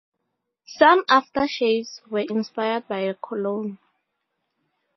Some aftershaves were inspired by a cologne.